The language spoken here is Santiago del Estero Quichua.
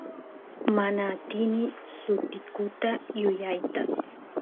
mana atini sutikuta yuyayta